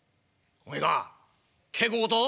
「おめえが稽古事を？